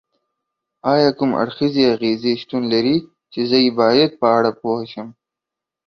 ایا کوم اړخیزې اغیزې شتون لري چې زه یې باید په اړه پوه شم؟